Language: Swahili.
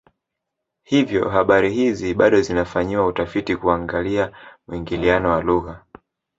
Hivyo habari hizi bado zinafanyiwa utafiti kuangalia muingiliano wa lugha